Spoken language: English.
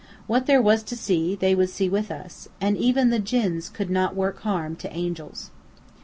What there was to see, they would see with us. And even the djinns could not work harm to Angels.